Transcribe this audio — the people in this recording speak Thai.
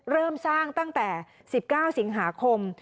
เริ่มสร้างตั้งแต่๑๙สิงหาคม